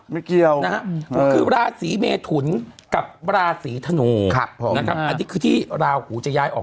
ไม่เกี่ยวนะฮะก็คือราศีเมทุนกับราศีธนูนะครับอันนี้คือที่ราหูจะย้ายออก